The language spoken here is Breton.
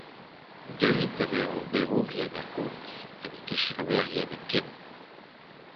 Deuit da vezañ oberourien ar Gomz, ha n’eo ket selaouerien hepken.